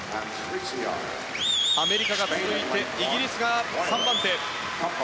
アメリカが続いてイギリスが３番手。